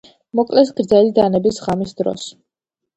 მოკლეს გრძელი დანების ღამის დროს.